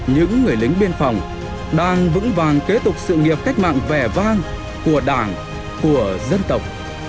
những người lính biên phòng đang vững vàng kế tục sự nghiệp cách mạng vẻ vang của đảng của dân tộc